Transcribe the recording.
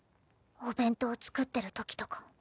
お弁当作ってるときとか。